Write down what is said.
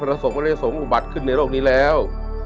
ได้ส่งคำว่าว่าอุบัติขึ้นยนต์โลกนี้แล้ว